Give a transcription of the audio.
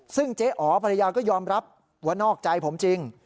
ซึ่งเจ๊อ๋อภรรยาก็ยอมรับว่านอกใจผมจริง